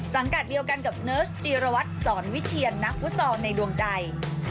กัดเดียวกันกับเนิร์สจีรวัตรสอนวิเทียนนักฟุตซอลในดวงใจ